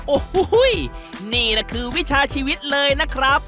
โอ้โหนี่นะคือวิชาชีวิตเลยนะครับ